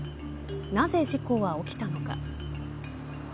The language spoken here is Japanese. なぜ事故は起きたのか。